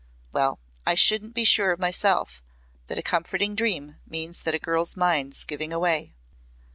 Well, I shouldn't be sure myself that a comforting dream means that a girl's mind's giving away.